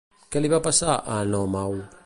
Què li va passar a Enòmau?